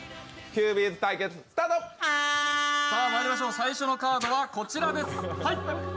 最初のカードはこちらです。